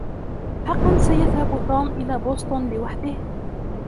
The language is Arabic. أحقّا سيذهب توم إلى بوسطن لوحده؟